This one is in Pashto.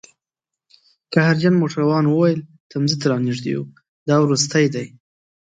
قهرجن موټروان وویل: تمځي ته رانژدي یوو، دا وروستی دی